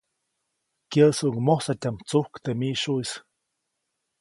Kyäʼsuʼuŋ mojsatyaʼm tsujk teʼ miʼsyuʼis.